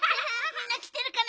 みんなきてるかな？